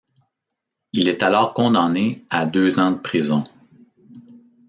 Il est alors condamné à deux ans de prison.